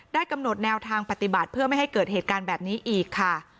กำหนดแนวทางปฏิบัติเพื่อไม่ให้เกิดเหตุการณ์แบบนี้อีกค่ะ